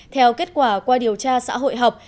theo kết quả qua điều tra xã hội học